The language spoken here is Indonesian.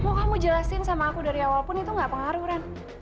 mau kamu jelasin sama aku dari awal pun itu nggak pengaruh ran